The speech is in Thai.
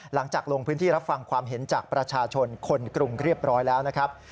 หลังจากลงพื้นที่รับฟังความเห็นจากประชาชนคนกรุงเรียบร้อยแล้วนะครับ